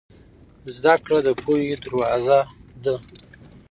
زده کړه د پوهې دروازه ده.